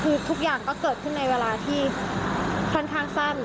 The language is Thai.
คือทุกอย่างก็เกิดขึ้นในเวลาที่ค่อนข้างสั้น